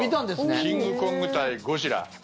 キングコング対ゴジラ。